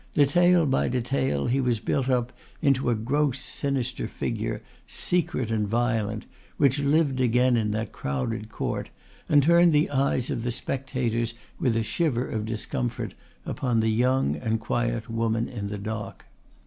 Detail by detail he was built up into a gross sinister figure secret and violent which lived again in that crowded court and turned the eyes of the spectators with a shiver of discomfort upon the young and quiet woman in the dock.